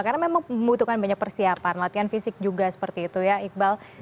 karena memang membutuhkan banyak persiapan latihan fisik juga seperti itu ya iqbal